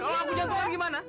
kalau ampunya tuh kan gimana